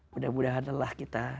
mudah mudahan lelah kita